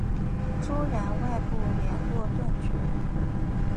朱然外部连络断绝。